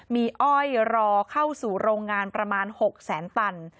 มีอ้อยรอเข้าสู่โรงงานประมาณ๖แสนตัน